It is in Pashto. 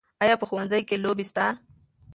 آیا په ښوونځي کې لوبې سته؟